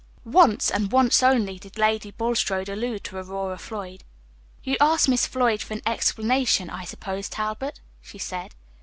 Once, and once only, did Lady Bulstrode allude to Aurora Floyd. "You asked Miss Floyd for an explanation, I suppose, Talbot?" she said.